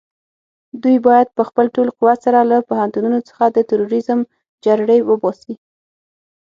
دوی بايد په خپل ټول قوت سره له پوهنتونونو څخه د تروريزم جرړې وباسي.